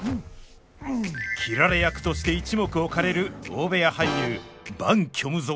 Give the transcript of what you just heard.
斬られ役として一目置かれる大部屋俳優伴虚無